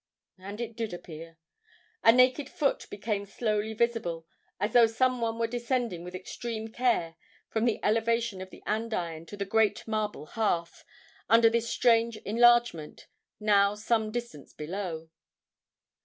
"And it did appear. "A naked foot became slowly visible, as though some one were descending with extreme care from the elevation of the andiron to the great marble hearth, under this strange enlargement, now some distance below."